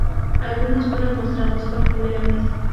Algunos fueron mostrados por primera vez.